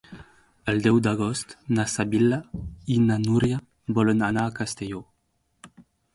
El deu d'agost na Sibil·la i na Núria volen anar a Castelló.